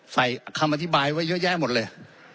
ใส่คำอธิบายไว้เยอะแยะหมดเลย